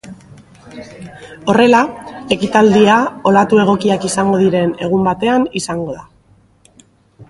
Horrela, ekitaldia olatu egokiak izango diren egun batean izango da.